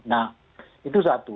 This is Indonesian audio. nah itu satu